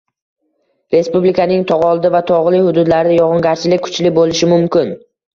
Respublikaning tog‘oldi va tog‘li hududlarida yog‘ingarchilik kuchli bo‘lishi mumkin